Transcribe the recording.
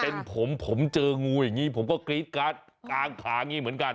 เป็นผมผมเจองูอย่างนี้ผมก็กรี๊ดการ์ดกลางขาอย่างนี้เหมือนกัน